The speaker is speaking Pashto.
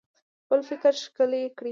خپل فکر ښکلی کړئ